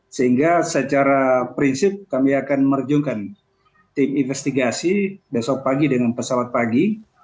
sehingga secara prinsip kami akan merjunkan tim investigasi besok pagi dengan pesawat pagi